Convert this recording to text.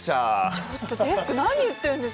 ちょっとデスク何言ってるんですか。